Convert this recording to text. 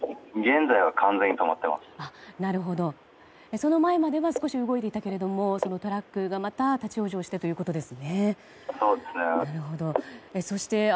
その前までは少し動いていたけれどもそのトラックがまた立ち往生してということですね。